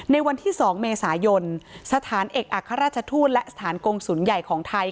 ในวันที่๒เมษายนสถานเอกอัครราชทูตและสถานกงศูนย์ใหญ่ของไทย